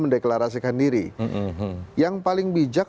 diri yang paling bijak